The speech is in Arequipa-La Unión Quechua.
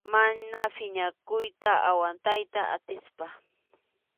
Mana phiñakuyta aguantayta atispam.